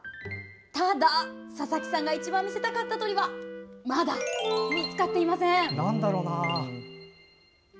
ただ、佐々木さんが一番見せたかった鳥はまだ見つかっていません。